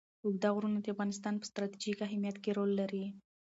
اوږده غرونه د افغانستان په ستراتیژیک اهمیت کې رول لري.